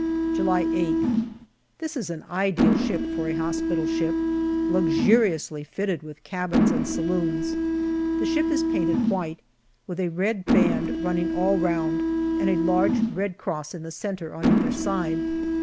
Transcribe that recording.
July 8th. This is an ideal ship for a hospital ship, luxuriously fitted with cabins and saloons. The ship is painted white, with a red band running all round and a large red cross in the centre on either side.